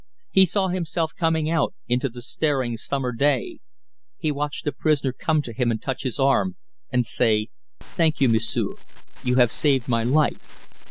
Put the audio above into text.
He saw himself coming out into the staring summer day. He watched the prisoner come to him and touch his arm, and say: "Thank you, M'sieu'. You have saved my life."